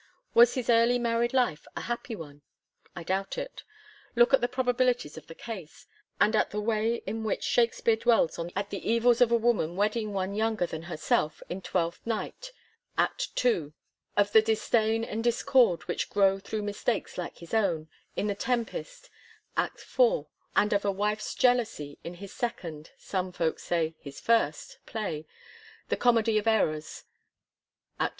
Was his early married life a happy one ? I doubt it. Look at the probabilities of the case, and at the way in which Shakspere dwells on the evils of a woman ' Shakeapeare'a Marriftge, &a, 1905. SnAKSP£R£'S LEAVING HOME wedding one younger than herself in Twelfth Night, II. iv. p. 62, of the disdain and discord which grow thru mistakes like his own, in the Tempest, IV. i. p. 04, and of a wife's jealousy ^ in his second — ^some folk say his first play, T?ie Comedy of Errors, V. i.